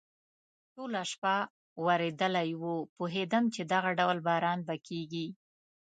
ټوله شپه ورېدلی و، پوهېدم چې دغه ډول باران به کېږي.